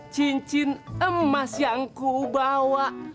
cincin emas yang ku bawa